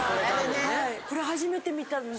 これ初めて見たので。